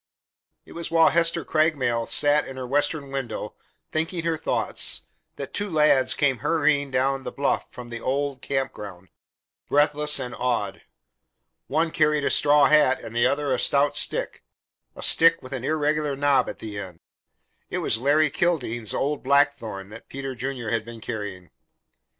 It was while Hester Craigmile sat in her western window, thinking her thoughts, that two lads came hurrying down the bluff from the old camp ground, breathless and awed. One carried a straw hat, and the other a stout stick a stick with an irregular knob at the end. It was Larry Kildene's old blackthorn that Peter Junior had been carrying.